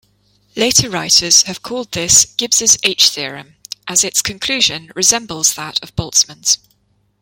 Later writers have called this "Gibbs' "H"-theorem" as its conclusion resembles that of Boltzmann's.